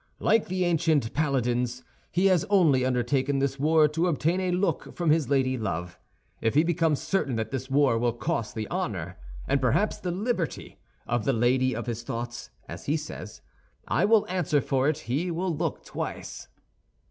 "Like the ancient paladins, he has only undertaken this war to obtain a look from his lady love. If he becomes certain that this war will cost the honor, and perhaps the liberty, of the lady of his thoughts, as he says, I will answer for it he will look twice."